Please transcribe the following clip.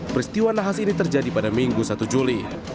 peristiwa nahas ini terjadi pada minggu satu juli